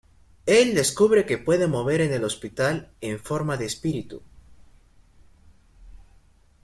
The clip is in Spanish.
Él descubre que puede mover en el hospital en forma de espíritu.